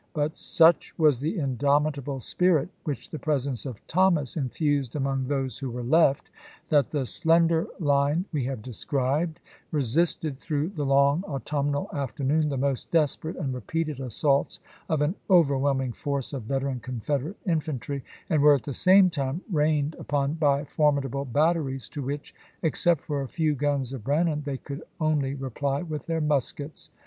But such was the indomitable spirit which the presence of Thomas infused among those who were left, that the slender line we have described resisted through the long autum nal afternoon the most desperate and repeated assaults of an overwhelming force of veteran Confederate infantry, and were at the same time rained upon by formidable batteries, to which, except for a few guns of Brannan, they could only reply with their muskets.